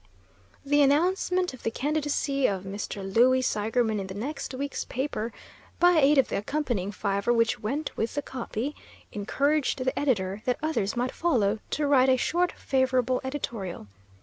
The announcement of the candidacy of Mr. Louis Seigerman in the next week's paper (by aid of the accompanying fiver which went with the "copy") encouraged the editor, that others might follow, to write a short, favorable editorial.